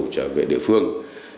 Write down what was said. trở về địa phương